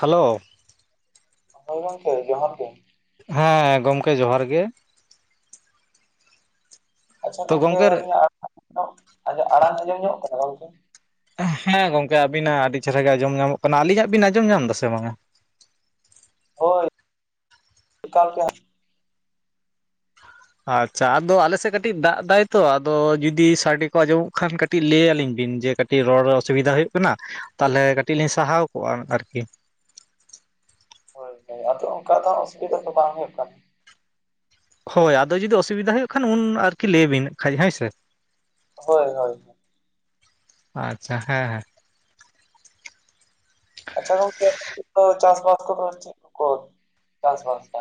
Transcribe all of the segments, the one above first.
Hello ᱦᱚᱭ ᱜᱚᱝᱠᱮ ᱡᱚᱦᱟᱨ ᱜᱮ᱾ ᱦᱮᱸ ᱜᱚᱢᱠᱮ ᱡᱚᱦᱟᱨ ᱜᱮ᱾ ᱟᱪᱪᱷᱟ ᱛᱚ ᱜᱚᱝᱠᱮ ᱜᱚᱢᱠᱮ ᱟᱹᱞᱤᱧᱟᱜ ᱟᱲᱟᱝ [inaudible] ᱧᱚᱜᱚᱜ ᱠᱟᱱᱟ ᱜᱚᱝᱠᱮ? ᱦᱮᱸ ᱜᱚᱝᱠᱮ ᱟᱵᱤᱱᱟᱜ ᱟᱹᱰᱤ ᱪᱮᱦᱨᱟ ᱜᱮ ᱟᱸᱡᱚᱢ ᱧᱟᱢᱚᱜ ᱠᱟᱱᱟ ᱟᱞᱤᱧᱟᱜ ᱵᱤᱱ ᱟᱸᱡᱚᱢ ᱧᱟᱢ ᱫᱟ ᱥᱮ ᱵᱟᱝᱟ? ᱦᱳᱭ ᱮᱠᱟᱞ ᱠᱤ ‌ᱟᱨ ᱼᱼ ᱟᱪᱪᱷᱟ ᱟᱫᱚ ᱟᱞᱮ ᱥᱮᱜ ᱠᱟᱹᱴᱤᱡ ᱫᱟᱜ ᱫᱟᱭ ᱛᱚ ᱟᱫᱚ ᱡᱩᱫᱤ ᱥᱟᱰᱮ ᱠᱚ ᱟᱸᱡᱚᱢᱚᱜ ᱠᱷᱟᱱ ᱠᱟᱴᱼᱼ ᱴᱤᱡ ᱞᱟᱹᱭᱟ ᱞᱤᱧ ᱵᱤᱱ ᱡᱮ ᱠᱟᱴᱤᱡ ᱨᱚᱲ ᱨᱮ ᱚᱥᱩᱵᱤᱫᱟ ᱦᱩᱭᱩᱜ ᱠᱟᱱᱟ ᱛᱟᱦᱚᱞᱮ ᱠᱟᱹᱴᱤᱡ ᱞᱤᱧ ᱥᱟᱦᱟᱣ ᱠᱚᱜ-ᱟ ᱟᱨᱠᱤ᱾ ᱦᱳᱭ ᱦᱳᱭ‌ ᱟᱫᱚ ᱚᱱᱠᱟ ᱫᱚ ᱚᱥᱩᱵᱤᱫᱟ ᱫᱚ ᱵᱟᱝ ᱦᱩᱭᱩᱜ ᱠᱟᱱᱟ᱾ ᱦᱳᱭ ᱟᱫᱚ ᱡᱩᱫᱤ ᱚᱥᱩᱵᱤᱫᱟ ᱦᱩᱭᱩᱜ ᱠᱷᱟᱱ ᱩᱱ ᱟᱨᱠᱤ ᱞᱟᱹᱭᱟ ᱵᱤᱱ ᱠᱷᱟᱡ ᱦᱚᱭ ᱥᱮ᱾ ᱦᱳᱭ ᱦᱳᱭ᱾ ᱟᱪᱪᱷᱟ ᱦᱮᱸ ᱦᱮᱸ᱾ ᱟᱪᱪᱷᱟ ᱜᱟᱝᱠᱮ ᱟᱯᱮ‌ ᱥᱮᱜ ᱫᱚ ᱪᱟᱥᱼᱵᱟᱥ ᱠᱚᱫᱚ ᱪᱤᱜ ᱠᱚᱠᱚ ᱪᱟᱥᱼᱵᱟᱥᱟ?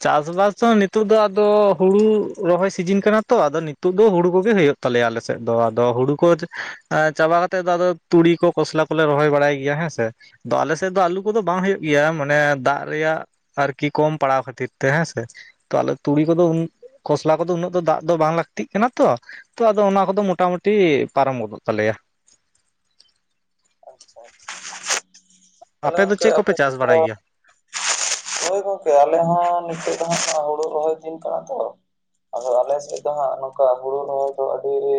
ᱪᱟᱥ ᱵᱟᱟᱥ ᱫᱚ ᱱᱤᱛᱚᱜ ᱫᱚ ᱟᱫᱚ ᱦᱩᱲᱩ ᱨᱚᱦᱚᱭ ᱥᱤᱡᱤᱱ ᱠᱟᱱᱟ ᱛᱚ ᱟᱫᱚ ᱱᱤᱛᱩᱜ ᱫᱚ ᱦᱩᱲᱩ ᱠᱚᱜᱮ ᱦᱚᱭᱩᱜ ᱼᱼ ᱛᱟᱞᱮᱭᱟ ᱟᱞᱮ ᱥᱮᱜ ᱫᱚ ᱟᱫᱚ ᱦᱩᱲᱩ ᱠᱚ ᱪᱟᱼᱼ ᱟ ᱪᱟᱵᱟ ᱠᱟᱛᱮᱜ ᱫᱚ ᱟᱫᱚ ᱛᱩᱲᱤ ᱠᱚ ᱠᱚᱷᱥᱞᱟ ᱠᱚᱞᱮ ᱨᱚᱦᱚᱭ ᱵᱟᱲᱟᱭ ᱜᱮᱭᱟ ᱦᱮᱸ ᱥᱮ᱾ ᱟᱫᱚ ᱟᱞᱮ ᱥᱮᱜ ᱫᱚ ᱟᱞᱩ ᱠᱚᱫᱚ ᱵᱟᱝ ᱦᱩᱭᱩᱜ ᱜᱮᱭᱟ ᱢᱟᱱᱮ ᱫᱟᱜ ᱨᱮᱭᱟᱜ ᱟᱨᱠᱤ ᱠᱚᱢ ᱯᱟᱲᱟᱣ [unintelligible] ᱼᱼ ᱠᱷᱟᱛᱤᱨ ᱛᱮ ᱦᱮᱸᱥᱮ᱾ ᱛᱚ ᱟᱞᱮ ᱛᱩᱲᱤ ᱠᱚᱫᱚ ᱩᱱ ᱠᱷᱚᱥᱞᱟ ᱠᱚᱫᱚ ᱩᱱᱟᱹᱜ ᱫᱚ ᱫᱟᱜ ᱫᱚ ᱵᱟᱝ ᱞᱟᱠᱛᱤᱜ ᱠᱟᱱᱟ ᱛᱚᱼᱼ ᱛᱚ ᱟᱫᱚ ᱚᱱᱟ ᱠᱚᱫᱚ ᱢᱚᱴᱟᱼᱢᱩᱴᱤ ᱯᱟᱨᱚᱢ ᱜᱚᱫᱚᱜ ᱛᱟᱞᱮᱭᱟ᱾ ᱛᱟᱦᱞᱮ ᱫᱚ ᱜᱟᱝᱠᱮ ᱪᱮᱫ ᱟᱯᱮ ᱠᱚᱯᱮ ᱪᱟᱥ ᱥᱮᱜ ᱛᱚᱼᱼ ᱵᱟᱲᱟᱭ ᱜᱮᱭᱟ ᱦᱳᱭ ᱜᱚᱝᱠᱮ ᱟᱞᱮ ᱦᱚᱸ ᱱᱤᱛᱚᱜ ᱫᱚ ᱦᱟᱸᱜ ᱦᱩᱲᱩ ᱨᱚᱦᱚᱭ ᱫᱤᱱ ᱠᱟᱱᱟ ᱛᱚᱼᱼ ᱟᱫᱚ ᱟᱞᱮ ᱥᱮᱡ ᱫᱚ ᱦᱟᱸᱜ ᱱᱚᱝᱠᱟ ᱦᱩᱲᱩ ᱨᱚᱦᱚᱭ ᱠᱚᱫᱚ ᱟᱹᱰᱤ ᱜᱮᱼᱼ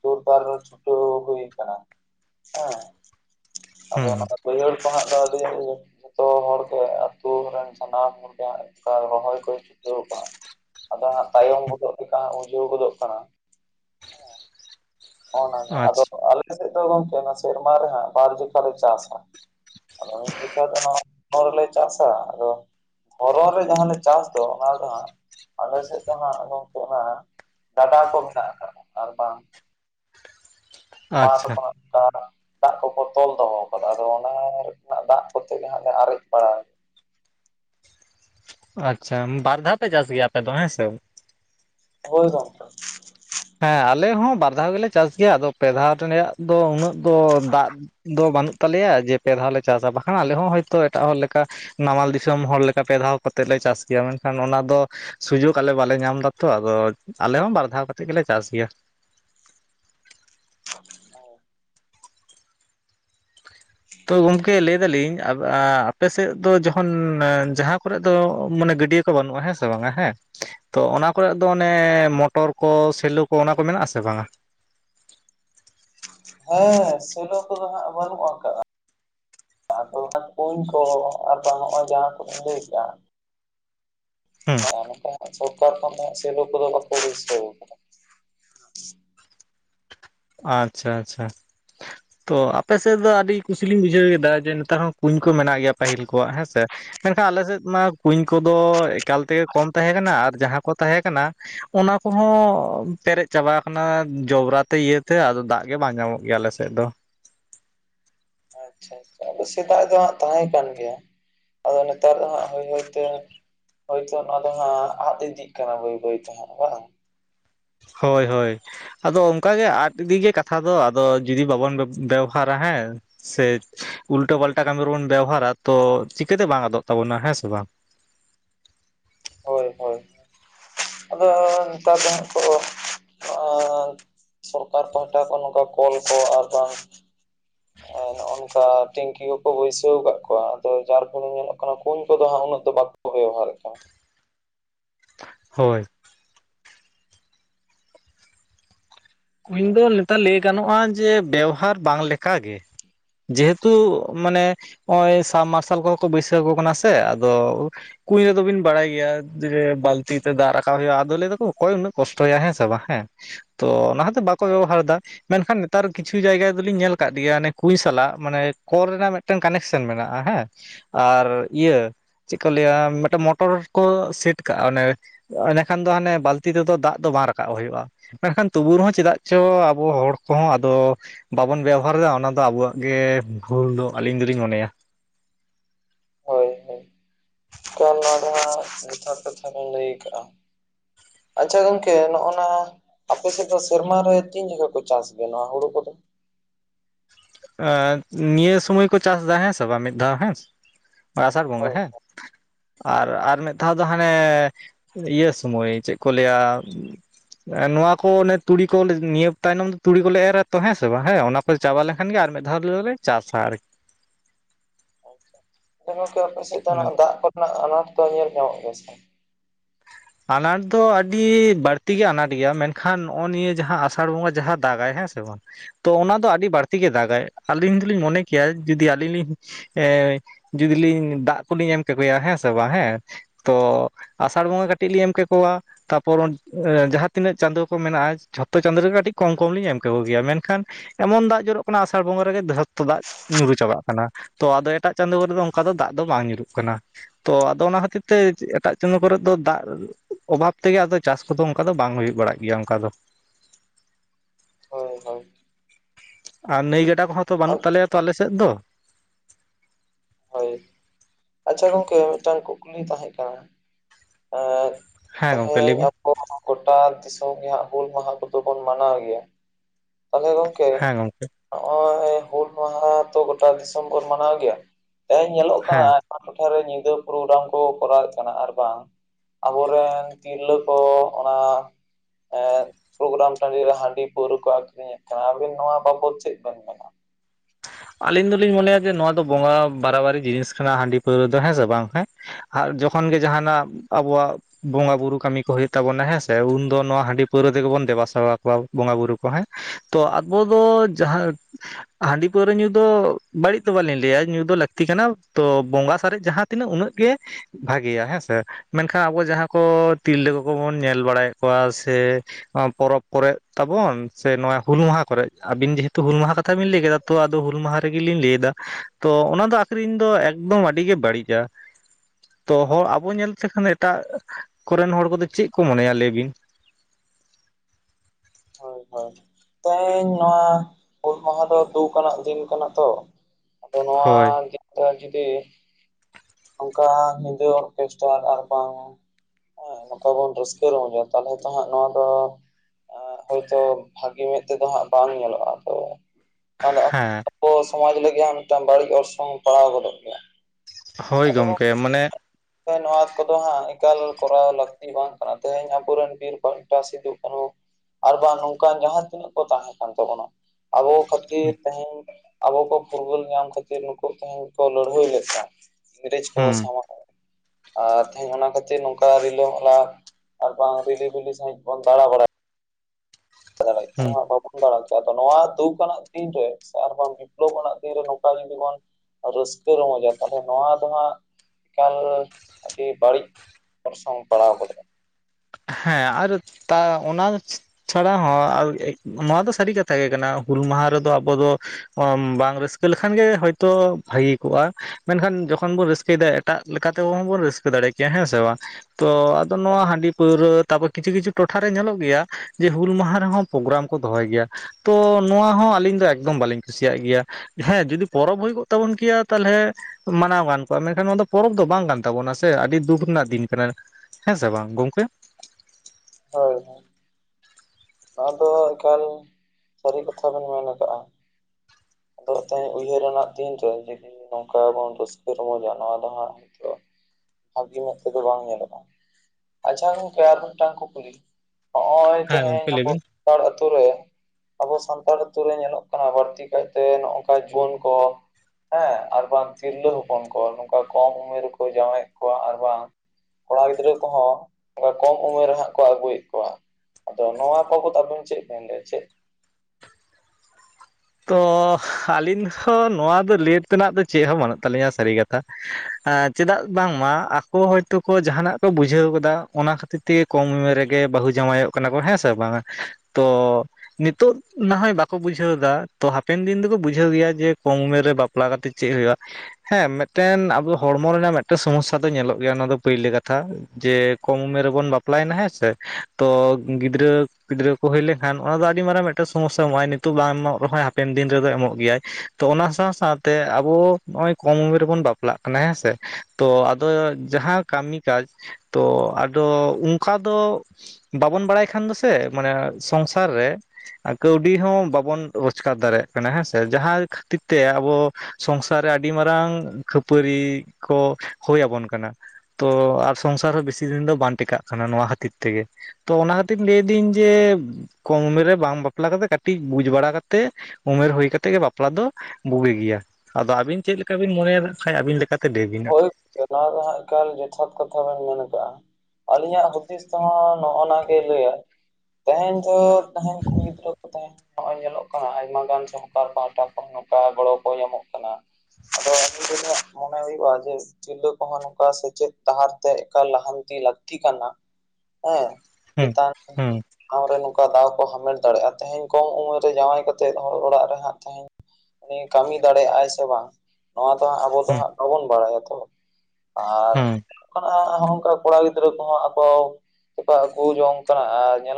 ᱡᱳᱨᱫᱟᱨ ᱪᱷᱩᱴᱟᱹᱣ ᱦᱩᱭ ᱠᱟᱱᱟ ᱦᱮᱸ᱾ ᱟᱫᱚ ᱚᱱᱟ ᱦᱩᱸ ᱠᱚ ᱵᱟᱹᱭᱦᱟᱹᱲ ᱠᱚᱦᱟᱸᱜ ᱫᱚ ᱟᱹᱰᱤᱼᱼ ᱡᱚᱛᱚ ᱦᱚᱲ ᱜᱮ ᱟᱛᱳ ᱨᱮᱱ ᱥᱟᱱᱟᱢ ᱦᱚᱲ ᱜᱮ ᱚᱱᱠᱟ ᱨᱚᱦᱚᱭ ᱠᱚᱭ ᱪᱷᱩᱴᱟᱹᱣ ᱟᱠᱟᱫ ᱟᱫᱚ ᱦᱟᱸᱜ ᱛᱟᱭᱚᱢ ᱜᱚᱫᱚᱜ ᱞᱮᱠᱟ ᱦᱟᱸᱜ ᱵᱩᱡᱷᱟᱹᱣ ᱜᱚᱫᱚᱜ ᱠᱟᱱᱟ᱾ ᱦᱚᱭ ᱦᱚᱭ ᱦᱚᱭ᱾ ᱟᱫᱚ ᱟᱪᱪᱷᱟ ᱟᱞᱮ ᱥᱮᱫ ᱫᱚ ᱜᱚᱝᱠᱮ ᱚᱱᱟ ᱥᱮᱨᱢᱟ ᱨᱮ ᱦᱟᱸᱜ ᱵᱟᱨ ᱡᱮᱠᱷᱟ ᱞᱮ ᱪᱟᱥᱟ᱾ ᱟᱫᱚ ᱢᱤᱫ ᱡᱮᱠᱷᱟ ᱫᱚ ᱱᱚᱶᱟ ᱜᱮᱞᱮ ᱪᱟᱥᱟ ᱟᱫᱚᱼᱼ ᱦᱚᱨᱚ ᱨᱮ ᱡᱟᱦᱟᱸ ᱞᱮ ᱪᱟᱥ ᱫᱚ ᱚᱱᱟ ᱫᱚ ᱦᱟᱸᱜ ᱟᱞᱮ ᱥᱮᱜ ᱫᱚ ᱦᱟᱸᱜ ᱜᱚᱝᱠᱮ ᱚᱱᱟᱼᱼ ᱜᱟᱰᱟ ᱠᱚ ᱢᱮᱱᱟᱜ ᱟᱠᱟᱫ-ᱟ ᱟᱨ ᱵᱟᱝᱼᱼ ᱵᱟᱸᱫᱽ ᱠᱚ ᱟᱪᱪᱷᱟ ᱦᱚᱸ᱾ ᱚᱱᱠᱟ ᱫᱟᱜ ᱠᱚᱠᱚ ᱛᱚᱞ ᱫᱚᱦᱚ ᱟᱠᱟᱫᱟ ᱟᱫᱚ ᱚᱱᱟ ᱨᱮᱱᱟᱜ ᱫᱟᱜ ᱠᱚᱛᱮ ᱜᱮ ᱦᱟᱸᱜ ᱞᱮ ᱟᱨᱮᱡ ᱵᱟᱲᱟᱼᱼ ᱟᱪᱪᱷᱟ ᱵᱟᱨ ᱫᱷᱟᱣ ᱯᱮ ᱪᱟᱥ ᱜᱮᱭᱟ ᱟᱯᱮ ᱫᱚ ᱦᱮᱸᱥᱮ᱾ ᱦᱚᱭ ᱜᱚᱝᱠᱮ᱾ ᱦᱮᱸ ᱟᱞᱮ ᱦᱚᱸ ᱵᱟᱨ ᱫᱷᱟᱣ ᱜᱮᱞᱮ ᱪᱟᱥ ᱜᱮᱭᱟ ᱟᱫᱚ ᱯᱮ ᱫᱷᱟᱣ ᱨᱮᱭᱟᱜ ᱫᱚ ᱩᱱᱟᱹᱜ ᱫᱚ ᱫᱟᱜ ᱫᱚ ᱵᱟᱱᱩᱜ ᱛᱟᱞᱮᱭᱟ ᱡᱮ ᱯᱮ ᱫᱷᱟᱣ ᱞᱮ ᱪᱟᱥᱟ ᱵᱟᱠᱷᱟᱱ ᱟᱞᱮ ᱦᱚᱸ ᱦᱚᱭᱛᱚ ᱮᱴᱟᱜ ᱦᱚᱲ ᱞᱮᱠᱟ ᱱᱟᱢᱟᱞ ᱫᱤᱥᱚᱢ ᱦᱚᱲ ᱞᱮᱠᱟ ᱯᱮ ᱫᱷᱟᱣ ᱠᱟᱛᱮᱫ ᱞᱮ ᱪᱟᱥ ᱜᱮᱭᱟ ᱢᱮᱱᱠᱷᱟᱱ ᱚᱱᱟ ᱫᱚ ᱥᱩᱡᱳᱜᱽ ᱟᱞᱮ ᱵᱟᱞᱮ ᱧᱟᱢ ᱮᱫᱟ ᱛᱚ ᱟᱫᱚ ᱟᱞᱮ ᱦᱚᱸ ᱵᱟᱨ ᱫᱷᱟᱣ ᱠᱟᱛᱮᱫ ᱜᱮᱞᱮ ᱪᱟᱥ ᱜᱮᱭᱟ᱾ ᱦᱚᱭ᱾ ᱛᱚ ᱜᱚᱝᱠᱮ ᱞᱟᱹᱭ ᱮᱫᱟᱞᱤᱧ [unintelligible] ᱟᱯᱮ ᱥᱮᱫ ᱫᱚ ᱡᱚᱠᱷᱚᱱ ᱡᱟᱦᱟᱸ ᱠᱚᱨᱮ ᱫᱚ ᱢᱟᱱᱮ ᱜᱟᱹᱰᱭᱟᱹ ᱠᱚ ᱵᱟᱹᱱᱩᱜ-ᱟ ᱦᱮᱸ ᱥᱮ ᱵᱟᱝᱟ ᱦᱮᱸ᱾ ᱛᱚ ᱚᱱᱟ ᱠᱚᱨᱮ ᱫᱚ ᱚᱱᱮ ᱢᱚᱴᱚᱨ ᱠᱚ ᱥᱮᱞᱚ ᱠᱚ ᱚᱱᱟ ᱠᱚ ᱢᱮᱱᱟᱜ ᱟ ᱥᱮ ᱵᱟᱝᱟ? ᱦᱮᱸ ᱥᱮᱞᱚ ᱠᱚᱫᱚ ᱦᱟᱸᱜ ᱵᱟᱹᱱᱩᱜ ᱟᱠᱟᱫᱼᱟ᱾ ᱟᱫᱚ ᱠᱷᱟᱱ ᱠᱩᱧ ᱠᱚ ᱟᱨ ᱵᱟᱝ ᱱᱚᱜᱼᱚᱭ ᱡᱟᱦᱟᱸ ᱠᱚᱵᱤᱱ ᱞᱟᱹᱭ ᱠᱮᱫᱼᱟ ᱦᱩᱸ ᱱᱚ ᱚ ᱱᱚᱝᱠᱟᱱ ᱦᱟᱸᱜ ᱥᱚᱨᱠᱟᱨ ᱠᱷᱚᱱ ᱥᱮᱞᱚ ᱠᱚ ᱫᱚ ᱵᱟᱠᱠᱚ ᱵᱟᱹᱭᱥᱟᱹᱣ ᱟᱠᱟᱫᱟ᱾ ᱟᱪᱪᱷᱟ ᱟᱪᱪᱷᱟ᱾ ᱛᱚ ᱟᱯᱮ ᱥᱮᱫ ᱫᱚ ᱟᱹᱰᱤ ᱠᱩᱥᱤ ᱞᱤᱧ ᱵᱩᱡᱷᱟᱹᱣ ᱮᱫᱟ ᱡᱮ ᱱᱮᱛᱟᱨ ᱦᱚᱸ ᱠᱩᱧ ᱠᱚ ᱢᱮᱱᱟᱜ ᱜᱮᱭᱟ ᱯᱟᱹᱦᱤᱞ ᱠᱚᱣᱟᱜ ᱦᱮᱸᱥᱮ ᱢᱮᱱᱠᱷᱟᱱ ᱟᱞᱮ ᱥᱮᱫ ᱢᱟ ᱠᱩᱧ ᱠᱚᱫᱚ ᱮᱠᱟᱞ ᱛᱮᱜᱮ ᱠᱚᱢ ᱛᱟᱦᱮᱸ ᱠᱟᱱᱟ ᱟᱨ ᱡᱟᱦᱟᱸ ᱠᱚ ᱠᱚ ᱛᱟᱦᱮᱸ ᱠᱟᱱᱟ ᱚᱱᱟ ᱠᱚᱦᱚᱸ ᱯᱮᱨᱮᱡ ᱪᱟᱵᱟ ᱟᱠᱟᱱᱟ ᱡᱚᱵᱽᱨᱟ ᱛᱮ ᱤᱭᱟᱹ ᱛᱮ ᱟᱫᱚ ᱫᱟᱜ ᱜᱮ ᱵᱟᱝ ᱧᱟᱢᱚᱜ ᱜᱮᱭᱟ ᱟᱞᱮᱥᱮᱫ ᱫᱚ᱾ ᱟᱪᱪᱷᱟ ᱟᱪᱪᱷᱟ ᱟᱫᱚ ᱥᱮᱫᱟᱭ ᱫᱚ ᱦᱟᱸᱜ ᱛᱟᱦᱮᱸ ᱠᱟᱱ ᱜᱮᱭᱟ ᱟᱫᱚ ᱱᱮᱛᱟᱨ ᱫᱚ ᱦᱟᱸᱜ ᱦᱚᱭ ᱦᱚᱭ ᱛᱮᱼᱼ ᱦᱳᱭᱛᱳ ᱱᱚᱣᱟ ᱫᱚ ᱦᱟᱸᱜ ᱟᱫ ᱤᱫᱤᱜ ᱠᱟᱱᱟ ᱵᱟᱹᱭ ᱵᱟᱹᱭ ᱛᱮ ᱦᱟᱸᱜ ᱵᱟᱝ ᱦᱳᱭ ᱦᱳᱭ᱾ ᱟᱫᱚ ᱚᱝᱠᱟ ᱜᱮ ᱟᱫ ᱤᱫᱤ ᱜᱮ ᱠᱟᱛᱷᱟ ᱫᱚ ᱟᱫᱚ ᱡᱩᱫᱤ ᱵᱟᱵᱚᱱ ᱵᱮᱣᱦᱟᱨᱟ ᱦᱮᱸ ᱥᱮ ᱩᱞᱴᱟᱹ ᱯᱟᱞᱴᱟ ᱠᱟᱹᱢᱤ ᱨᱮᱵᱚᱱ ᱵᱮᱣᱦᱟᱨᱟ ᱛᱚ ᱪᱤᱠᱟᱹᱛᱮ ᱵᱟᱝ ᱟᱫᱚᱜ ᱛᱟᱵᱚᱱᱟ ᱦᱮᱸ ᱥᱮ ᱵᱟᱝ ᱦᱳᱭ ᱦᱳᱭ ᱦᱳᱭ ᱟᱫᱚ ᱱᱮᱛᱟᱨ ᱫᱚ ᱦᱟᱸᱜ ᱠᱚ ᱟᱨ ᱥᱚᱨᱠᱟᱨ ᱯᱟᱦᱴᱟ ᱠᱷᱚᱱ ᱱᱚᱝᱠᱟ ᱠᱚᱞ ᱠᱚ ᱟᱨ ᱵᱟᱝ ᱮᱸ ᱱᱚᱝᱠᱟ ᱴᱤᱝᱠᱤ ᱠᱚᱠᱚ ᱵᱟᱹᱭᱥᱟᱹᱣ ᱟᱠᱟᱫ ᱠᱚᱣᱟ ᱟᱫᱚ ᱡᱟᱨ ᱯᱷᱚᱞᱮ ᱧᱮᱞᱚᱜ ᱠᱟᱱᱟ ᱠᱩᱧ ᱠᱚᱫᱚ ᱦᱟᱸᱜ ᱩᱱᱟᱹᱜ ᱫᱚ ᱵᱟᱠᱚ ᱵᱮᱵᱷᱟᱨ ᱮᱫᱼᱟ᱾ ᱦᱳᱭ᱾ ᱠᱩᱧ ᱫᱚ ᱱᱮᱛᱟᱨ ᱞᱟᱹᱭ ᱜᱟᱱᱚᱜᱼᱟ ᱡᱮ ᱵᱮᱣᱦᱟᱨ ᱵᱟᱝ ᱞᱮᱠᱟᱜᱮ᱾ ᱡᱮᱦᱮᱛᱩ ᱢᱟᱱᱮ ᱱᱚᱸᱜᱚᱭ ᱥᱟᱢ ᱢᱟᱨᱥᱟᱞ ᱠᱚᱦᱚᱸ ᱠᱚ ᱵᱟᱹᱭᱥᱟᱹᱣ ᱟᱠᱚ ᱠᱟᱱᱟ ᱥᱮ ᱟᱫᱚ ᱠᱩᱧ ᱨᱮᱫᱚ ᱵᱤᱱ ᱵᱟᱲᱟᱭ ᱜᱮᱭᱟ ᱡᱮ ᱵᱟᱞᱛᱤ ᱛᱮ ᱫᱟᱜ ᱨᱟᱠᱟᱵ ᱦᱩᱭᱩᱜᱼᱟ ᱟᱫᱚ ᱞᱟᱹᱭ ᱮᱫᱟᱠᱚ ᱚᱠᱚᱭ ᱩᱱᱟᱹᱜ ᱠᱚᱥᱴᱚᱭᱟ ᱦᱮᱸ ᱥᱮ ᱵᱟᱝ ᱦᱮᱸ ᱛᱚ ᱚᱱᱟ ᱦᱚᱛᱮᱡ ᱵᱟᱠᱚ ᱦᱳᱭ ᱵᱮᱵᱚᱦᱟᱨ ᱮᱫᱟ᱾ ᱢᱮᱱᱠᱷᱟᱱ ᱱᱮᱛᱟᱨ ᱠᱤᱪᱷᱩ ᱡᱟᱭᱜᱟ ᱫᱚᱞᱤᱧ ᱧᱮᱞ ᱟᱠᱟᱫ ᱜᱮᱭᱟ ᱮᱱᱮ ᱠᱩᱭ ᱥᱟᱞᱟᱜ ᱢᱟᱱᱮ ᱠᱚᱞ ᱨᱮᱱᱟᱜ ᱢᱤᱫ ᱢᱤᱫᱴᱟᱝ ᱠᱟᱱᱮᱠᱥᱮᱱ ᱢᱮᱱᱟᱜᱼᱟ ᱦᱮᱸ ᱟᱨ ᱤᱭᱟᱹ ᱪᱮᱫ ᱠᱚ ᱞᱟᱹᱭᱟ ᱢᱤᱫᱴᱮᱱ ᱢᱚᱴᱚᱨ ᱠᱚ ᱥᱮᱴ ᱠᱟᱜᱼᱟ ᱚᱱᱮ ᱮᱸᱱᱮᱠᱷᱟᱱ ᱫᱚ ᱦᱟᱱᱮ ᱵᱟᱹᱞᱛᱤ ᱛᱮᱫᱚ ᱫᱟᱜ ᱫᱚ ᱵᱟᱝ ᱨᱟᱠᱟᱵ ᱦᱩᱭᱩᱜᱼᱟ ᱢᱮᱱᱠᱷᱟᱱ ᱛᱩᱵᱩ ᱨᱮᱦᱚᱸ ᱪᱮᱫᱟᱜ ᱪᱚ ᱟᱵᱚ ᱦᱚᱲ ᱠᱚᱦᱚᱸ ᱟᱫᱚ ᱵᱟᱵᱚᱱ ᱵᱮᱣᱦᱟᱨᱮᱫᱟ ᱚᱱᱟ ᱫᱚ ᱟᱵᱚᱣᱟᱜ ᱜᱮ ᱵᱷᱩᱞ ᱫᱚ ᱟᱹᱞᱤᱧ ᱫᱚᱞᱤᱧ ᱢᱚᱱᱮᱭᱟ ᱦᱳᱭ ᱦᱳᱭ [inaudible] ᱡᱚᱛᱷᱟ ᱠᱟᱛᱷᱟ ᱵᱮᱱ ᱞᱟᱹᱭ ᱟᱠᱟᱜᱼᱟ ᱟᱪᱪᱷᱟ ᱜᱚᱝᱠᱮ ᱱᱚ ᱚ ᱱᱟ ᱟᱯᱮᱥᱮᱫ ᱫᱚ ᱥᱮᱨᱢᱟᱟ ᱨᱮ ᱛᱤᱱ ᱡᱚᱠᱷᱚᱡ ᱠᱚ ᱪᱟᱥ ᱜᱮᱭᱟ ᱱᱚᱣᱟ ᱦᱩᱲᱩ ᱠᱚᱫᱚ ᱱᱤᱭᱟᱹ ᱥᱩᱢᱚᱭ ᱠᱚ ᱪᱟᱥ ᱮᱫᱟ ᱦᱮᱸ ᱥᱮ ᱵᱟᱝ ᱢᱤᱫ ᱫᱷᱟᱣ ᱦᱮᱸ ᱟᱥᱟᱲ ᱵᱚᱸᱜᱟ ᱦᱳᱭ ᱦᱮᱸ ᱟᱨ ᱟᱨ ᱢᱤᱫ ᱫᱷᱟᱣ ᱫᱚ ᱦᱟᱱᱮ ᱤᱭᱟᱹ ᱥᱚᱢᱚᱭ ᱪᱮᱫ ᱠᱚ ᱞᱟᱹᱭᱟ ᱱᱚᱣᱟ ᱠᱚ ᱚᱱᱮ ᱛᱩᱲᱤ ᱠᱚᱞᱮ ᱱᱤᱭᱟᱹ ᱛᱟᱭᱱᱚᱢ ᱛᱩᱲᱤ ᱠᱚᱞᱮ ᱮᱨᱟᱛᱚ ᱦᱮᱸ ᱥᱮ ᱵᱟᱝ ᱦᱮᱸ ᱚᱱᱟ ᱠᱚ ᱪᱟᱵᱟᱞᱮ ᱮᱱᱠᱷᱟᱱ ᱜᱮ ᱟᱨ ᱢᱤᱫ ᱫᱷᱟᱣ ᱫᱚᱞᱮ ᱪᱟᱥᱟ ᱟ ᱟᱨᱠᱤ ᱟᱠᱤ ᱟᱯᱮ ᱥᱮᱫ ᱚᱱᱟ ᱫᱚ ᱫᱟᱜ ᱠᱚᱨᱮᱱᱟᱜ ᱟᱱᱟᱴ ᱫᱚ ᱧᱮᱞ ᱧᱟᱢᱚᱜ ᱜᱮᱭᱟ ᱥᱮ ᱟᱱᱟᱴ ᱫᱚ ᱟᱹᱰᱤ ᱵᱟᱹᱲᱛᱤ ᱜᱮ ᱟᱱᱟᱴ ᱜᱮᱭᱟ ᱢᱮᱱᱠᱷᱟᱱ ᱱᱚ ᱚ ᱱᱤᱭᱟᱹ ᱡᱟᱦᱟᱸ ᱟᱥᱟᱲ ᱵᱚᱸᱜᱟ ᱡᱟᱦᱟᱸ ᱫᱟᱜᱟᱭ ᱦᱮᱸᱥᱮ ᱵᱟᱝ ᱛᱚ ᱚᱱᱟ ᱫᱚ ᱟᱹᱰᱤ ᱵᱟᱹᱲᱛᱤ ᱜᱮ ᱫᱟᱜᱟᱭ ᱟᱹᱞᱤᱧ ᱫᱚᱞᱤᱧ ᱢᱚᱱᱮ ᱠᱮᱭᱟ ᱡᱩᱫᱤ ᱟᱹᱞᱤᱧ ᱞᱤᱧ ᱮ ᱡᱚᱫᱤᱞᱤᱧ ᱫᱟᱜ ᱠᱚᱞᱤᱧ ᱮᱢ ᱠᱮᱠᱚᱮᱭᱟ ᱦᱮᱸ ᱥᱮ ᱵᱟᱝ ᱦᱮᱸ ᱛᱚ ᱟᱥᱟᱲ ᱵᱚᱸᱜᱟ ᱠᱟᱹᱴᱤᱡ ᱞᱤᱧ ᱮᱢ ᱠᱮᱠᱚᱣᱟ ᱛᱟᱯᱚᱨ ᱡᱟᱦᱟᱸ ᱛᱤᱱᱟᱹᱜ ᱪᱟᱸᱫᱳ ᱠᱚ ᱢᱮᱱᱟᱜᱼᱟ ᱡᱷᱚᱛᱚ ᱪᱟᱸᱫᱳ ᱨᱮᱜᱮ ᱠᱟᱹᱴᱤᱡ ᱠᱚᱢ ᱠᱚᱢ ᱞᱤᱧ ᱮᱢ ᱠᱟᱠᱚᱜᱮᱭᱟ ᱢᱮᱱᱠᱷᱟᱱ ᱮᱢᱚᱱ ᱫᱟᱜ ᱡᱚᱨᱚᱜ ᱠᱟᱱᱟ ᱟᱥᱟᱲ ᱵᱚᱸᱜᱟ ᱨᱮᱜᱮ ᱫᱷᱚᱛᱴᱛᱚ ᱫᱟᱜ ᱧᱩᱨᱩ ᱪᱟᱵᱟᱜ ᱠᱟᱱᱟ ᱛᱚ ᱟᱫᱚ ᱮᱴᱟᱜ ᱪᱟᱸᱫᱚ ᱠᱚᱨᱮ ᱫᱚ ᱚᱱᱠᱟ ᱫᱚ ᱫᱟᱜ ᱫᱚ ᱵᱟᱝ ᱧᱩᱨᱩᱜ ᱠᱟᱱᱟ ᱛᱚ ᱟᱫᱚ ᱚᱱᱟ ᱠᱷᱟᱹᱛᱤᱨ ᱛᱮ ᱮᱴᱟᱜ ᱠᱚᱨᱮ ᱫᱚ ᱫᱟᱜ ᱚᱵᱷᱟᱵ ᱛᱮᱜᱮ ᱟᱫᱚ ᱪᱟᱥ ᱠᱚᱫᱚ ᱚᱝᱠᱟ ᱫᱚ ᱵᱟᱝ ᱦᱩᱭᱩᱜ ᱵᱟᱲᱟᱜ ᱜᱮᱭᱟ ᱚᱱᱠᱟ ᱫᱚ ᱦᱳᱭ ᱦᱳᱭ‌ ᱟᱨ ᱱᱟᱹᱭ ᱜᱟᱰᱟ ᱠᱚᱦᱚᱸ ᱛᱚ ᱵᱟᱹᱱᱩᱜ ᱛᱟᱞᱮᱭᱟ ᱛᱚ ᱟᱞᱮᱥᱮᱫ ᱫᱚ ᱦᱳᱭ ᱟᱪᱪᱷᱟ ᱜᱚᱝᱠᱮ ᱢᱤᱫᱴᱟᱝ ᱠᱩᱠᱞᱤ ᱛᱟᱦᱮᱸᱜ ᱠᱟᱱᱟ᱾ ᱟᱨ ᱦᱮᱸ ᱜᱚᱝᱠᱮ ᱛᱮᱦᱮᱧ ᱟ ᱞᱟᱹᱭᱵᱤᱱ [inaudible] ᱜᱚᱴᱟ ᱫᱤᱥᱚᱢ ᱜᱮ ᱦᱟᱸᱜ ᱦᱩᱞ ᱢᱟᱦᱟ ᱠᱚᱫᱚ ᱵᱚᱱ ᱢᱟᱱᱟᱣ ᱜᱮᱭᱟ᱾ ᱛᱟᱦᱞᱮ ᱜᱚᱝᱠᱮ, ᱦᱮᱸ ᱜᱚᱝᱠᱮ ᱱᱚᱜᱼᱚᱭ, ᱦᱩᱞ ᱢᱟᱦᱟ ᱛᱚ, ᱜᱚᱴᱟ ᱫᱤᱥᱚᱢ ᱵᱚᱱ, ᱢᱟᱱᱟᱣ ᱜᱮᱭᱟ, ᱛᱮᱦᱮᱧ ᱧᱮᱞᱚᱜ ᱠᱟᱱᱟ ᱦᱮᱸ ᱾ ᱟᱠ ᱴᱚᱴᱷᱟ ᱨᱮ ᱧᱤᱫᱟᱹ, ᱯᱨᱳᱜᱽᱨᱟᱢ ᱠᱚ, ᱠᱚᱨᱟᱣᱮᱫ ᱠᱟᱱᱟ, ᱟᱨ ᱵᱟᱝ ᱟᱵᱚᱨᱮᱱ ᱛᱤᱨᱞᱟᱹ ᱠᱚ ᱚᱱᱟ ᱟᱻᱨ ᱯᱨᱳᱜᱽᱨᱟᱢ ᱴᱟᱺᱰᱤ ᱨᱮ, ᱦᱟᱺᱰᱤ ᱯᱟᱹᱣᱨᱟᱹ ᱠᱚ, ᱟᱹᱠᱷ ᱟᱹᱠᱷᱨᱤᱧᱮᱫ ᱠᱟᱱᱟ ᱟᱵᱤᱱ ᱱᱚᱣᱟ ᱵᱟᱵᱚᱛ ᱪᱮᱫ ᱵᱮᱱ ᱢᱮᱱᱟ? ᱟᱞᱤᱧ ᱫᱚᱞᱤᱧ ᱢᱚᱱᱮᱭᱟ ᱡᱮ ᱱᱚᱣᱟ ᱫᱚ ᱵᱚᱸᱜᱟ ᱵᱟᱨᱟᱵᱟᱹᱨᱤ ᱡᱤᱱᱤᱥ ᱠᱟᱱᱟ ᱦᱟᱺᱰᱤ ᱯᱟᱹᱣᱨᱟᱹ ᱫᱚ ᱦᱮᱸ ᱥᱮ ᱵᱟᱝ ᱦᱮᱸ? ᱟᱨ ᱡᱚᱠᱷᱚᱱ ᱜᱤ ᱡᱟᱦᱟᱱᱟᱜ ᱟᱵᱚᱣᱟᱜ ᱵᱚᱸᱜᱟ ᱵᱩᱨᱩ ᱠᱟᱹᱢᱤ ᱠᱚ ᱦᱩᱭᱩᱜ ᱛᱟᱵᱚᱱᱟ ᱦᱮᱸᱥᱮ ᱩᱱᱫᱚ ᱱᱚᱣᱟ ᱦᱟᱺᱰᱤ ᱯᱟᱹᱣᱨᱟᱹ ᱛᱮᱜᱮ ᱵᱚᱱ ᱫᱮᱵᱟ ᱥᱮᱣᱟ ᱠᱚᱣᱟ ᱵᱚᱸᱜᱟ ᱵᱩᱨᱩ ᱠᱳᱦᱟᱸᱜ ᱛᱚ ᱟᱵᱚ ᱫᱚ ᱡᱟᱦᱟᱸ ᱦᱟᱺᱰᱤ ᱯᱟᱹᱣᱨᱟᱹ ᱧᱩ ᱫᱚ ᱵᱟᱹᱲᱤᱡ ᱫᱚ ᱵᱟᱹᱞᱤᱧ ᱞᱟᱹᱭ-ᱟ ᱧᱩ ᱫᱚ ᱞᱟᱹᱠᱛᱤ ᱠᱟᱱᱟ ᱛᱚ ᱵᱚᱸᱜᱟ ᱥᱟᱨᱮᱡ ᱡᱟᱦᱟᱸ ᱛᱤᱱᱟᱹᱜ ᱩᱱᱟᱹᱜ ᱜᱮ, ᱵᱷᱟᱜᱤᱭᱟ ᱦᱮᱸᱥᱮ ᱢᱮᱱᱠᱷᱟᱱ ᱟᱵᱚ ᱡᱟᱦᱟᱸ ᱠᱚ ᱛᱤᱨᱞᱟᱹ ᱠᱚᱠᱚ ᱵᱚᱱ ᱧᱮᱞ ᱵᱟᱲᱟᱭᱮᱫ ᱠᱚᱣᱟ ᱥᱮ, ᱱᱚᱣᱟ ᱯᱚᱨᱚᱵᱽ ᱠᱚᱨᱮ, ᱛᱟᱵᱚᱱ ᱥᱮ, ᱱᱚᱣᱟ ᱦᱩᱞ ᱢᱟᱦᱟ ᱠᱚᱨᱮ, ᱟᱵᱤᱱ ᱡᱮ, ᱦᱮᱛᱩ ᱦᱩᱞ ᱢᱟᱦᱟ, ᱠᱟᱛᱷᱟ ᱵᱤᱱ, ᱞᱟᱹᱭ ᱠᱮᱫᱟ ᱾ ᱛᱚ, ᱟᱫᱚ ᱦᱩᱞ ᱢᱟᱦᱟ, ᱨᱮᱜᱮ ᱞᱤᱧ ᱞᱟᱹᱭ ᱮᱫᱟ, ᱛᱚ, ᱚᱱᱟ ᱫᱚ, ᱟᱠᱷᱨᱤᱧ ᱫᱚ, ᱮᱠᱫᱚᱢ ᱟᱹᱰᱤ ᱜᱮ, ᱵᱟᱹᱲᱤᱡᱼᱟ᱾ ᱛᱚ ᱦᱚᱲ ᱟᱵᱚ ᱧᱮᱞ ᱛᱮᱠᱷᱟᱱ ᱮᱴᱟᱜ ᱠᱚᱨᱮᱱ ᱦᱚᱲ ᱠᱚᱫᱚ ᱪᱮᱫ ᱠᱚ ᱢᱚᱱᱮᱭᱟ ᱞᱟᱹᱭ ᱵᱤᱱ? ᱦᱳᱭ ᱦᱳᱭ, ᱛᱮᱦᱮᱧ ᱱᱚᱣᱟ, ᱦᱩᱞ ᱢᱟᱦᱟ ᱫᱚ, ᱫᱩᱠᱷ ᱟᱱᱟᱜ, ᱫᱤᱱ ᱠᱟᱱᱟ ᱛᱚ ᱾ ᱟᱫᱚ, ᱱᱚᱣᱟ ᱦᱳᱭ ᱜᱮ, ᱛᱚ ᱡᱩᱫᱤ? ᱚᱝᱠᱟ ᱧᱤᱫᱟᱹ, ᱚᱨᱠᱮᱥᱴᱨᱟ ᱟᱨ, ‌ ᱵᱟᱝ ᱦᱮᱸ ᱱᱚᱝᱠᱟ ᱵᱚᱱ ᱨᱟᱹᱥᱠᱟᱹ ᱨᱚᱢᱚᱡᱟ ᱛᱟᱞᱦᱮ ᱛᱚ ᱦᱟᱸᱜ ᱱᱚᱣᱟ ᱫᱚ ᱟᱸ ᱦᱳᱭᱛᱳ ᱵᱷᱟᱜᱮ ᱢᱮᱫ ᱛᱮᱫᱚ ᱦᱟᱸᱜ ᱵᱟᱝ ᱧᱮᱞᱚᱜᱼᱟ᱾ [inaudible] ᱦᱮᱸ ᱟᱵᱚ, ᱥᱚᱢᱟᱡᱽ ᱞᱟᱹᱜᱤᱫ ᱦᱚᱸ, ᱢᱤᱫᱴᱟᱝ ᱵᱟᱹᱲᱤᱡ ᱚᱨᱥᱚᱝ, ᱯᱟᱲᱟᱣ ᱜᱚᱫᱚᱜ, ᱜᱮᱭᱟ ᱾ ᱦᱳᱭ ᱟᱫᱚ ᱜᱚᱢᱠᱮ ᱢᱟᱱᱮ [inaudible] ᱱᱚᱣᱟ ᱠᱚᱫᱚ ᱦᱟᱸᱜ, ᱮᱠᱟᱞ ᱠᱚᱨᱟᱣ ᱞᱟᱹᱠ ᱛᱤ ᱵᱟᱝ ᱠᱟᱱᱟ, ᱛᱮᱦᱮᱧ ᱟᱵᱚᱨᱮᱱ, ᱵᱤᱨ ᱵᱟᱱᱴᱟ, ᱥᱤᱫᱩ ᱠᱟᱹᱱᱷᱩ ᱟᱨ, ᱵᱟᱝ ᱱᱚᱝᱠᱟᱱ, ᱡᱟᱦᱟᱸ ᱛᱤᱱᱟᱹᱜ ᱠᱚ, ᱛᱟᱦᱮᱸ ᱠᱟᱱ ᱛᱟᱵᱚᱱᱟ ᱾ ᱟᱵᱚ ᱠᱷᱟᱹᱛᱤᱨ, ᱛᱮᱦᱮᱧ, ᱟᱵᱚ ᱠᱚ, ᱯᱷᱩᱨᱜᱟᱹᱞ ᱧᱟᱢ ᱠᱷᱟᱹᱛᱤᱨ, ᱱᱩᱠᱩ ᱛᱮᱦᱮᱧ ᱠᱚ, ᱞᱟᱹᱲᱦᱟᱹᱭ ᱞᱮᱫ ᱛᱟᱦᱮᱸᱜ ᱾ ᱤᱝᱨᱮᱡᱽ ᱠᱚ, ᱦᱩᱸ ᱥᱟᱢᱟᱝ ᱟᱨ, ᱛᱮᱦᱮᱧ ᱚᱱᱟ ᱠᱷᱟᱹᱛᱤᱨ, ᱱᱚᱝᱠᱟ ᱨᱤᱞᱟᱹ ᱢᱟᱞᱟ ᱟᱨ ᱵᱟᱝ ᱨᱤᱞᱤ ᱵᱤᱞᱤ ᱥᱟᱺᱦᱤᱡ ᱵᱚᱱ, ᱫᱟᱬᱟ ᱵᱟᱲᱟᱭᱟ ᱛᱟᱞᱮ ᱦᱩᱸ ᱥᱟᱦ ᱵᱟᱵᱩ, ᱫᱟᱲᱟ ᱠᱮᱭᱟ᱾ ᱟᱫᱚ ᱱᱚᱣᱟ ᱫᱩᱠ ᱟᱱᱟᱜ ᱫᱤᱱᱨᱮ ᱥᱮ ᱟᱨ ᱵᱟᱝ ᱵᱤᱯᱞᱚᱯ ᱟᱱᱟᱜ, ᱫᱤᱱ ᱨᱮ, ᱱᱚᱝᱠᱟ ᱡᱩᱫᱤ ᱵᱚᱱ ᱨᱟᱹᱥᱠᱟᱹ ᱨᱚᱢᱚᱡᱟ ᱛᱟᱦᱞᱮ ᱱᱚᱣᱟ ᱫᱚ ᱦᱟᱸᱜ, ᱮᱠᱟᱞ ᱟᱹᱰᱤ ᱵᱟᱹᱲᱤᱡ ᱚᱨᱥᱚᱝ, ᱯᱟᱲᱟᱣ ᱜᱚᱫᱚᱜᱼᱟ ᱾ ᱦᱮᱸ ᱟᱨ ᱛᱟ ᱚᱱᱟ [inaudible] ᱪᱷᱟᱲᱟ ᱦᱚᱸ, ᱟᱨ ᱮ ᱱᱚᱣᱟ ᱫᱚ, ᱥᱟᱹᱨᱤ ᱠᱟᱛᱷᱟ ᱜᱮ ᱠᱟᱱᱟ, ᱦᱩᱞ ᱢᱟᱦᱟ ᱨᱮᱫᱚ, ᱟᱵᱚ ᱫᱚ ᱵᱟᱝ ᱨᱟᱹᱥᱠᱟᱹ ᱞᱮᱠᱷᱟᱱ ᱜᱮ, ᱦᱳᱭ ᱛᱚ ᱵᱷᱟᱹᱜᱮ ᱠᱚᱜᱼᱟ, ᱢᱮᱱᱠᱷᱟᱱ, ᱡᱚᱠᱷᱚᱱ ᱵᱚᱱ, ᱨᱟᱹᱥᱠᱟᱹᱭᱮᱫᱟ ᱮᱴᱟᱜ ᱞᱮᱠᱟ, ᱞᱮᱠᱟᱛᱮ ᱦᱚᱸ ᱵᱚᱱ, ᱨᱟᱹᱥᱠᱟᱹ ᱫᱟᱲᱮ ᱠᱮᱭᱟ, ᱦᱮᱸ ᱥᱮ ᱵᱟᱝ? ᱛᱚ ᱟᱫᱚ, ᱱᱚᱣᱟ ᱦᱟᱺᱰᱤᱯ, ᱯᱟᱹᱣᱨᱟᱹ, ᱛᱟᱯᱚᱨ ᱠᱤᱪᱷᱩ ᱠᱤᱪᱷᱩ, ᱴᱚᱴᱷᱟᱨᱮ, ᱧᱮᱞᱚᱜ ᱜᱮᱭᱟ, ᱡᱮ, ᱦᱩᱞ ᱢᱟᱦᱟ ᱨᱮᱦᱚᱸ, ᱯᱳᱜᱽᱨᱟᱢ ᱠᱚ ᱫᱚᱦᱚᱭ ᱜᱮᱭᱟ᱾ ᱛᱚ, ᱱᱚᱣᱟ ᱦᱚᱸ, ᱟᱹᱞᱤᱧ ᱫᱚ, ᱮᱠᱫᱚᱢ ᱵᱟᱹᱞᱤᱧ ᱠᱩᱥᱤᱭᱟᱜ ᱜᱮᱭᱟ ᱾ ᱦᱮᱸ, ᱡᱩᱫᱤ ᱯᱚᱨᱚᱵᱽ ᱦᱩᱭ ᱠᱚᱜ, ᱛᱟᱵᱚᱱ ᱠᱮᱭᱟ, ᱛᱟᱞᱦᱮ ᱢᱟᱱᱟᱣ ᱜᱟᱱ ᱠᱚᱜ-ᱟ, ᱢᱮᱱᱠᱷᱟᱱ ᱱᱚᱣᱟ ᱫᱚ, ᱯᱚᱨᱚᱵᱽ ᱫᱚ ᱵᱟᱝ ᱠᱟᱱ ᱛᱟᱵᱚᱱᱟ, ᱥᱮ, ᱟᱹᱰᱤ ᱫᱩᱠ ᱨᱮᱱᱟᱜ, ᱫᱤᱱ ᱠᱟᱱᱟ ᱾ ᱦᱮᱸ ᱥᱮ ᱵᱟᱝ ᱜᱚᱝᱠᱮ? ᱦᱳᱭ ᱦᱳᱭ ᱾ ᱱᱚᱣᱟ ᱫᱚ ᱮᱠᱷᱟᱞ ᱥᱟᱹᱨᱤ ᱠᱟᱛᱷᱟ ᱵᱮᱱ ᱢᱮᱱ ᱟᱠᱟᱜᱼᱟ᱾ ᱟᱫᱚ ᱛᱮᱦᱮᱧ ᱩᱭᱦᱟᱹᱨ ᱨᱮᱱᱟᱜ ᱫᱤᱱ [inaudible] ᱱᱚᱝᱠᱟ ᱵᱚᱱ, ᱨᱟᱹᱥᱠᱟᱹ ᱨᱚᱢᱚᱡᱟ, ᱱᱚᱣᱟ ᱫᱚ ᱦᱟᱸᱜ, ᱦᱮᱸᱪᱮ ᱾ ᱵᱷᱟᱹᱜᱤ ᱢᱮᱫ ᱛᱮᱫᱚ, ᱵᱟᱝ ᱧᱮᱞᱚᱜᱼᱟ ᱾ ᱟᱪᱪᱷᱟ! ᱜᱚᱢᱠᱮ, ᱟᱨ ᱢᱤᱫᱴᱟᱝ ᱠᱩᱠᱞᱤ? ᱦᱚ-ᱚᱭ ᱦᱮᱸ ᱛᱮᱦᱮᱧ ᱜᱚᱝᱠᱮ ᱞᱟᱹᱭ ᱟᱵᱚ ᱵᱤᱱ [inaudible] ᱟᱛᱩ ᱨᱮ, ᱟᱵᱚ ᱥᱟᱱᱛᱟᱲ ᱟᱛᱩ ᱨᱮ ᱧᱮᱞᱚᱜ ᱠᱟᱱᱟ ᱵᱟᱹᱲᱛᱤ ᱠᱟᱭᱛᱮ ᱱᱚᱝᱠᱟ ᱡᱩᱣᱟᱹᱱ ᱠᱚ, ᱦᱮᱸ ᱟᱨ ᱵᱟᱝ ᱛᱤᱨᱞᱟᱹ ᱦᱚᱯᱚᱱ ᱠᱚ ᱱᱚᱝᱠᱟ ᱠᱚᱢ ᱩᱢᱮᱨ ᱨᱮᱠᱚ ᱡᱟᱶᱟᱭᱮᱫ ᱠᱚᱣᱟ ᱟᱨ ᱵᱟᱝ ᱠᱚᱲᱟ ᱜᱤᱫᱽᱨᱟᱹ ᱠᱚᱦᱚᱸ ᱚᱱᱠᱟ ᱠᱚᱢ ᱩᱢᱮᱨ ᱨᱮ ᱦᱟᱸᱜ ᱠᱚ ᱟᱹᱜᱩᱭᱮᱫ ᱠᱚᱣᱟ ᱟᱫᱚ ᱱᱚᱣᱟ ᱵᱟᱵᱚᱛ ᱟᱵᱮᱱ ᱪᱮᱫ ᱵᱮᱱ ᱞᱟᱹᱭ ᱪᱮᱫ ᱛᱚ ᱟᱹᱞᱤᱧ ᱫᱚ ᱱᱚᱣᱟ ᱫᱚ ᱞᱮᱭ ᱛᱮᱱᱟᱜ ᱫᱚ ᱪᱮᱫ ᱦᱚᱸ ᱵᱟᱹᱱᱩᱜ ᱛᱟᱹᱞᱤᱧᱟ ᱥᱟᱹᱨᱤ ᱠᱟᱛᱷᱟ ᱪᱮᱫᱟᱜ ᱵᱟᱝᱢᱟ ᱟᱠᱚ ᱦᱚᱭᱛᱳ ᱠᱚ ᱡᱟᱦᱟᱱᱟᱜ ᱠᱚ ᱵᱩᱡᱷᱟᱹᱣ ᱠᱟᱫᱟ ᱚᱱᱟ ᱠᱷᱟᱹᱛᱤᱨ ᱛᱮ ᱮ ᱠᱚᱢ ᱩᱢᱮᱨ ᱨᱮᱜᱮ ᱵᱟᱹᱦᱩ ᱡᱟᱶᱟᱭᱚᱜ ᱠᱟᱱᱟ ᱠᱚ ᱦᱮᱸ ᱥᱮ ᱵᱟᱝᱟ ᱛᱚ ᱱᱤᱛᱚᱜ ᱱᱟᱦᱚᱭ ᱵᱟᱠᱚ ᱵᱩᱡᱷᱟᱹᱣ ᱮᱫᱟ ᱛᱚ ᱦᱟᱯᱮᱱ ᱫᱤᱱ ᱫᱚᱠᱚ ᱵᱩᱡᱷᱟᱹᱣ ᱜᱮᱭᱟ ᱡᱮ ᱠᱚᱢ ᱩᱢᱮᱨ ᱨᱮ ᱵᱟᱯᱞᱟ ᱠᱟᱛᱮᱫ ᱪᱮᱫ ᱦᱩᱭᱩᱜᱼᱟ ᱦᱮᱸ ᱢᱤᱫᱴᱮᱱ ᱟᱵᱚ ᱦᱚᱲᱢᱚ ᱨᱮᱱᱟᱜ ᱢᱤᱫᱴᱮᱱ ᱥᱚᱢᱚᱥᱥᱟ ᱫᱚ ᱧᱮᱞᱚᱜ ᱜᱮᱭᱟ ᱚᱱᱟ ᱫᱚ ᱯᱳᱭᱞᱟᱹ ᱠᱟᱛᱷᱟ ᱡᱮ ᱠᱚᱢ ᱩᱢᱮᱨ ᱨᱮᱵᱚᱱ ᱵᱟᱯᱞᱟᱭᱮᱱᱟ ᱦᱮᱸᱥᱮ ᱛᱚ ᱜᱤᱫᱽᱨᱟᱹ ᱯᱤᱫᱽᱨᱟᱹ ᱠᱚ, ᱦᱩᱭ ᱞᱮᱠᱷᱟᱱ, ᱚᱱᱟ ᱫᱚ ᱟᱹᱰᱤ, ᱢᱟᱨᱟᱝ ᱢᱤᱫᱴᱟᱝ, ᱥᱚᱢᱚᱥᱥᱟ ᱮᱢᱚᱜᱼᱟᱭ, ᱱᱤᱛᱚᱜ ᱵᱟᱝ ᱮᱢᱚᱜ, ᱨᱮᱦᱚᱸᱭ ᱦᱟᱸᱜ ᱯᱮᱱ ᱫᱤᱱ ᱨᱮᱫᱚ, ᱮᱢᱚᱜ ᱜᱮᱭᱟᱭ, ᱛᱚ, ᱚᱱᱟ ᱥᱟᱶ ᱥᱟᱶᱛᱮ, ᱟᱵᱚ ᱱᱚᱜᱼᱚᱭ ᱠᱚᱢ, ᱩᱢᱮᱨ ᱨᱮᱵᱚᱱ ᱵᱟᱯ ᱵᱟᱯᱞᱟᱜ ᱠᱟᱱᱟᱭ ᱦᱮᱸᱥᱮ ᱛᱚ ᱟᱫᱚ ᱡᱟᱦᱟᱸ ᱠᱟᱹᱢᱤ ᱠᱟᱡ ᱛᱚ ᱟᱫᱚ ᱚᱱᱠᱟ ᱫᱚ ᱵᱟᱵᱚᱱ ᱵᱟᱲᱟᱭ ᱠᱷᱟᱱ ᱫᱚᱥᱮ ᱢᱟᱱᱮ ᱥᱚᱝᱥᱟᱨ ᱨᱮ ᱠᱟᱹᱣᱰᱤ ᱦᱚᱸ ᱵᱟᱵᱚᱱ ᱨᱚᱡᱽᱠᱟᱨ ᱫᱟᱲᱮᱭᱟᱜ ᱠᱟᱱᱟ ᱦᱮᱸ ᱥᱮ ᱡᱟᱦᱟᱸ ᱠᱷᱟᱹᱛᱤᱨ ᱛᱮ ᱟᱵᱚ ᱥᱚᱝᱥᱟᱨ ᱨᱮ ᱟᱹᱰᱤ ᱢᱟᱨᱟᱝ ᱠᱷᱟᱹᱯᱟᱹᱨᱤ ᱠᱚ ᱦᱚᱭ ᱟᱵᱚᱱ ᱠᱟᱱᱟ ᱛᱚ ᱟᱨ ᱥᱚᱝᱥᱟᱨ ᱦᱚᱸ ᱵᱮᱥᱤ ᱫᱤᱱ ᱫᱚ ᱵᱟᱝ ᱴᱮᱠᱟᱜ ᱠᱟᱱᱟ ᱱᱚᱣᱟ ᱠᱷᱟᱹᱛᱤᱨ ᱛᱮᱜᱮ ᱛᱚ ᱚᱱᱟ ᱠᱷᱟᱹᱛᱤᱨ ᱞᱟᱹᱭᱫᱟᱹᱧ ᱡᱮ ᱠᱚᱢ ᱩᱢᱮᱨ ᱨᱮ ᱵᱟᱝ ᱵᱟᱯᱞᱟ ᱠᱟᱛᱮᱜ ᱠᱟᱹᱴᱤᱡ ᱵᱩᱡ ᱵᱟᱲᱟ ᱠᱟᱛᱮᱫ ᱛᱮ ᱩᱢᱮᱨ ᱦᱩᱭ ᱠᱟᱛᱮᱫ ᱜᱮ ᱵᱟᱯᱞᱟ ᱫᱚ ᱵᱩᱜᱤ ᱜᱮᱭᱟ ᱟᱫᱚ ᱟᱹᱵᱤᱱ ᱪᱮᱫ ᱞᱮᱠᱟ ᱵᱤᱱ ᱢᱚᱱᱮᱭ ᱟᱠᱟᱫ ᱠᱷᱟᱡ ᱟᱹᱵᱤᱱ ᱞᱮᱠᱟᱛᱮ ᱞᱟᱹᱭ ᱵᱮᱱ ᱦᱟᱜ ᱦᱳᱭ ᱱᱚᱣᱟ ᱫᱚ ᱦᱟᱸᱜ ᱮᱠᱟᱞ ᱡᱚᱛᱷᱟᱛ ᱠᱟᱛᱷᱟ ᱵᱮᱱ ᱢᱮᱱ ᱟᱠᱟᱫᱼᱟ ᱟᱹᱞᱤᱧᱟᱜ ᱦᱩᱫᱤᱥ ᱛᱮᱦᱚᱸ ᱱᱚᱜᱼᱚ ᱱᱟ ᱜᱮ ᱞᱟᱹᱭᱟ ᱛᱟᱦᱮᱱ ᱫᱚ ᱛᱟᱦᱮᱱ ᱠᱩᱲᱤ ᱜᱤᱫᱽᱨᱟᱹ ᱠᱚ ᱛᱟᱦᱮᱱ ᱱᱚᱜᱼᱚᱭ ᱧᱮᱞᱚᱜ ᱠᱟᱱᱟ ᱟᱭᱢᱟ ᱜᱟᱱ ᱥᱚᱨᱠᱟᱨ ᱯᱟᱦᱴᱟ ᱠᱷᱚᱱ ᱱᱚᱝᱠᱟ ᱜᱚᱲᱚ ᱠᱚ ᱧᱟᱢᱚᱜ ᱠᱟᱱᱟ ᱟᱫᱚ [inaudible] ᱢᱚᱱᱮ ᱦᱩᱭᱩᱜ ᱠᱚᱣᱟ ᱡᱮ ᱛᱤᱨᱞᱟᱹ ᱠᱚᱦᱚᱸ ᱱᱚᱝᱠᱟ ᱥᱮᱪᱮᱫ ᱰᱟᱦᱟᱨ ᱛᱮ ᱮᱠᱟᱞ ᱞᱟᱦᱟᱱᱛᱤ ᱞᱟᱹᱠᱛᱤ ᱠᱟᱱᱟ᱾ ᱦᱮᱸ ᱦᱩᱸ ᱪᱮᱛᱟᱱ ᱦᱩᱸ ᱴᱷᱟᱣ ᱨᱮ ᱱᱚᱝᱠᱟ ᱫᱟᱣ ᱠᱚ ᱦᱟᱢᱮᱴ ᱫᱟᱲᱮᱜᱼᱟ, ᱛᱮᱦᱮᱧ ᱠᱚᱢ ᱩᱢᱮᱨ ᱨᱮ ᱡᱟᱶᱟᱭ ᱠᱟᱛᱮᱫ ᱦᱚᱲ ᱚᱲᱟᱜ ᱨᱮ ᱦᱟᱸᱜ ᱛᱟᱦᱮᱧ ᱩᱱᱤ ᱠᱟᱹᱢᱤ ᱫᱟᱲᱮᱜᱼᱟᱭ ᱥᱮ ᱵᱟᱝ? ᱱᱚᱣᱟ ᱫᱚ ᱦᱟᱸᱜ ᱟᱵᱚ ᱫᱚ ᱦᱩᱸ ᱦᱟᱸᱜ ᱵᱟᱵᱚᱱ ᱵᱟᱲᱟᱭᱟ ᱛᱚ ᱟᱨ ᱦᱩᱸ ᱦᱮᱸ ᱱᱚᱠᱟ ᱦᱚᱸ ᱦᱚᱝᱠᱟ ᱠᱚᱲᱟ ᱜᱤᱫᱽᱨᱟᱹ ᱠᱚᱦᱚᱸ ᱟᱠᱚ ᱛᱮᱠᱚ ᱟᱜᱩ ᱡᱚᱝ ᱠᱟᱱᱟ, ᱟᱨ ᱧᱮᱞ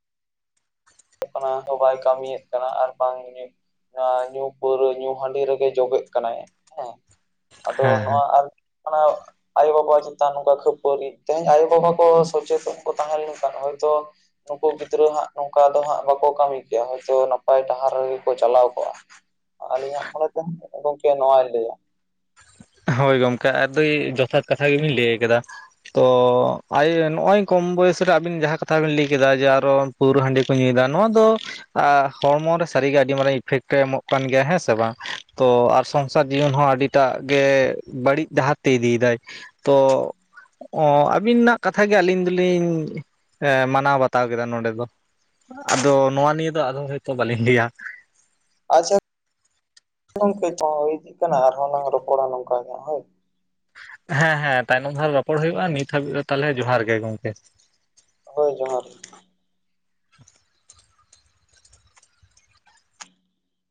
ᱚᱱᱟ ᱦᱚᱸ ᱵᱟᱭ ᱠᱟᱹᱢᱤᱭᱮᱜ ᱠᱟᱱᱟ ᱟᱨ ᱵᱟᱝ ᱮ ᱧᱩ ᱯᱟᱹᱣᱨᱟᱹ ᱧᱩ ᱦᱟᱺᱰᱤ ᱨᱮᱜᱮ ᱡᱚᱵᱮᱜ ᱠᱟᱱᱟᱭ ᱦᱮᱸ᱾ ᱟᱫᱚ ᱦᱮᱸ ᱱᱚᱣᱟ ᱟᱨ ᱠᱟᱱᱟ ᱟᱭᱳᱼᱵᱟᱵᱟ ᱪᱮᱛᱟᱱ ᱱᱚᱝᱠᱟ ᱠᱷᱟᱹᱯᱟᱹᱨᱤ ᱛᱮᱦᱮᱧ ᱟᱭᱳᱼᱵᱟᱵᱟ ᱠᱚ ᱥᱚᱪᱮᱛᱚᱱ ᱠᱚ ᱛᱟᱦᱮᱸ ᱞᱮᱱᱠᱷᱟᱱ ᱦᱚᱭᱛᱳ ᱱᱩᱠᱩ ᱜᱤᱫᱽᱨᱟᱹ ᱦᱟᱸᱜ ᱱᱚᱝᱠᱟ ᱫᱚ ᱦᱟᱸᱜ ᱵᱟᱠᱚ ᱠᱟᱹᱢᱤ ᱠᱮᱭᱟ ᱦᱚᱭᱛᱳ ᱱᱟᱯᱟᱭ ᱰᱟᱦᱟᱨ ᱨᱮᱜᱮ ᱠᱚ ᱪᱟᱞᱟᱣ ᱠᱚᱜᱼᱟ᱾ ᱟᱞᱤᱧᱟᱜ ᱢᱚᱱᱮ ᱛᱮ ᱜᱚᱝᱠᱮ ᱱᱚᱣᱟᱧ ᱞᱟᱹᱭᱟ᱾ ᱦᱳᱭ ᱜᱚᱝᱠᱮ ᱟᱹᱰᱤ ᱡᱚᱛᱷᱟᱛ ᱠᱟᱛᱷᱟ ᱜᱮᱵᱤᱱ ᱞᱟᱹᱭ ᱠᱟᱫᱟ᱾ ᱛᱚ ᱟᱭᱤᱭᱟᱹ ᱱᱚᱜ -ᱚᱭ ᱠᱚᱢ ᱵᱚᱭᱮᱥ ᱨᱮ ᱟᱵᱤᱱ ᱡᱟᱦᱟᱸ ᱠᱟᱛᱷᱟ ᱵᱤᱱ ᱞᱟᱹᱭ ᱠᱮᱫᱟ ᱡᱮ ᱟᱨᱚ ᱯᱟᱹᱣᱨᱟᱹ ᱦᱟᱺᱰᱤ ᱠᱚ ᱧᱩᱭᱮᱫᱟ ᱱᱚᱣᱟ ᱫᱚ ᱟ ᱦᱚᱲᱢᱚᱨᱮ ᱥᱟᱹᱨᱤᱜᱮ ᱟᱹᱰᱤ ᱢᱟᱨᱟᱝ ᱤᱯᱷᱮᱠᱴ ᱮ ᱮᱢᱚᱜ ᱠᱟᱱ ᱜᱮᱭᱟ ᱦᱮᱸ ᱥᱮ ᱵᱟᱝ ᱛᱚ ᱟᱨ ᱥᱚᱝᱥᱟᱨ ᱡᱤᱭᱚᱱ ᱦᱚᱸ ᱟᱹᱰᱤ ᱮᱴᱟᱜ ᱜᱮ ᱵᱟᱹᱲᱤᱡ ᱰᱟᱦᱟᱨ ᱛᱮ ᱤᱫᱤᱭᱫᱟᱭ ᱛᱚ ᱚ ᱟᱹᱵᱤᱱᱟᱜ ᱠᱟᱛᱷᱟ ᱜᱮ ᱟᱹᱞᱤᱧ ᱫᱚᱞᱤᱧ ᱮᱸ ᱢᱟᱱᱟᱣ ᱵᱟᱛᱟᱣ ᱠᱮᱫᱟ ᱱᱚᱰᱮ ᱫᱚ᱾ ᱟᱫᱚ ᱱᱚᱣᱟ ᱱᱤᱭᱟᱹ ᱫᱚ ᱟᱫᱚ ᱦᱳᱭᱛᱚ ᱵᱟᱹᱞᱤᱧ ᱞᱟᱹᱭᱟ᱾ ᱟᱪᱪᱷᱟ ᱜᱚᱝᱠᱮ ᱛᱚ ᱦᱚᱸ ᱤᱫᱤᱜ ᱠᱟᱱᱟ ᱟᱨᱦᱚᱸ ᱞᱟᱝ ᱨᱚᱯᱚᱲᱟ ᱱᱚᱝᱠᱟ ᱜᱮ ᱦᱟᱸᱜ ᱦᱳᱭ᱾ ᱦᱮᱸ ᱦᱮᱸ ᱛᱟᱭᱱᱚᱢ ᱫᱷᱟᱨᱮ ᱨᱚᱯᱚᱲ ᱦᱩᱭᱩᱜᱼᱟ ᱱᱤᱛ ᱦᱟᱹᱵᱤᱡ ᱫᱚ ᱛᱟᱞᱦᱮ ᱡᱚᱦᱟᱨ ᱜᱮ ᱜᱚᱝᱠᱮ᱾ ᱦᱳᱭ ᱡᱚᱦᱟᱨ